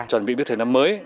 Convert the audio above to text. chuẩn bị biết thời năm mới